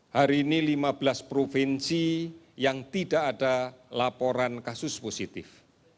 hari ini lima belas provinsi yang tidak ada laporan kasus positif